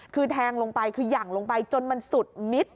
คือแทงลงไปคือหยั่งลงไปจนมันสุดมิตร